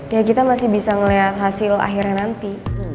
ya kita masih bisa melihat hasil akhirnya nanti